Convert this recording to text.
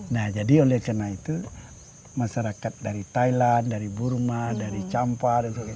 nah jadi oleh karena itu masyarakat dari thailand burma dari champa